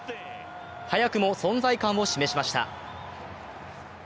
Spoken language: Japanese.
早くも存在感を示しました。